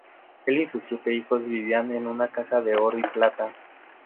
Él y sus siete hijos vivían en una casa de oro y plata.